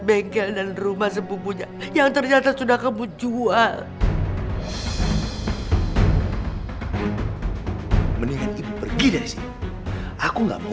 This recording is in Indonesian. aku mau ngerjain pr dulu